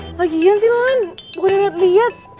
gak ada kegiatan sih loan bukan diliat liat